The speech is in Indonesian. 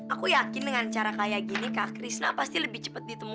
aku yakin dengan cara kayak gini kak krishna pasti lebih cepat ditemukan